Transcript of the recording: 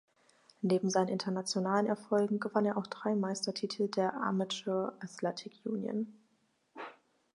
Neben seinen internationalen Erfolgen gewann er auch drei Meistertitel der Amateur Athletic Union.